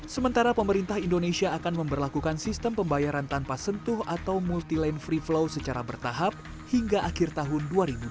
sementara pemerintah indonesia akan memperlakukan sistem pembayaran tanpa sentuh atau multi lane free flow secara bertahap hingga akhir tahun dua ribu dua puluh